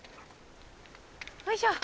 よいしょ。